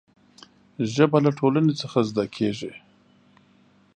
ژبه له ټولنې څخه زده کېږي.